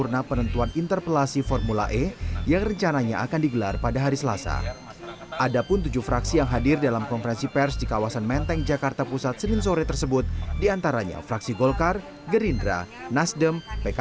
bahwa setiap agenda kelihatan yang akan dibahas baru harus lebih dulu dibuatkan undangan